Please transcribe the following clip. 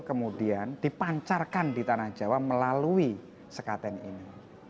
kemudian dipancarkan di tanah jawa melalui sekaten ini